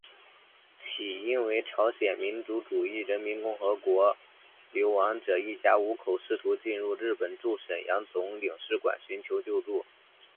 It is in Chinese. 起因为朝鲜民主主义人民共和国流亡者一家五口试图进入日本驻沈阳总领事馆寻求救助。